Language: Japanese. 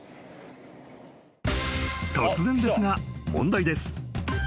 ［突然ですが問題です］